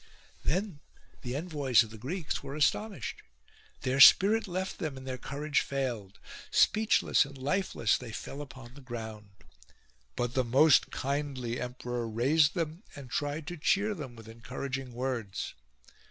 Then the envoys of the Greeks were astonished ; their spirit left them and their courage failed ; 114 THE ENVOYS' TERROR speechless and lifeless they fell upon the ground. But the most kindly emperor raised them, and tried to cheer them with encouraging words.